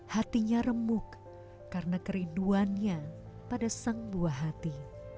hatinya remuk karena kerinduannya pada sang buah hati